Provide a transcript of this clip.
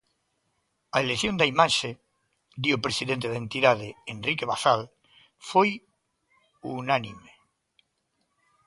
A elección da imaxe, di o presidente da entidade, Henrique Bazal, "foi unánime".